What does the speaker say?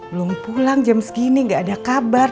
belum pulang jam segini gak ada kabar